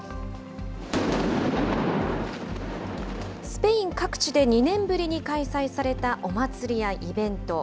スペイン各地で２年ぶりに開催されたお祭りやイベント。